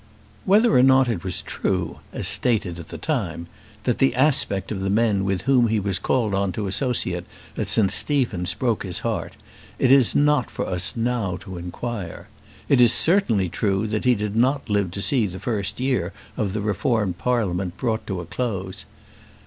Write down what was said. Whether or not it was true, as stated at the time, that the aspect of the men with whom he was called on to associate at St Stephen's broke his heart, it is not for us now to inquire. It is certainly true that he did not live to see the first year of the reformed Parliament brought to a close.